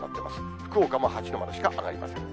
福岡も８度までしか上がりません。